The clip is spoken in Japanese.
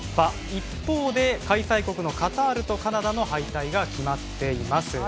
一方で開催国のカタールとカナダの敗退が決まっています。